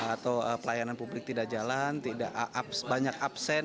atau pelayanan publik tidak jalan tidak banyak absen